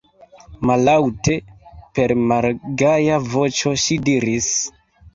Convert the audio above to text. Mallaŭte, per malgaja voĉo ŝi diris: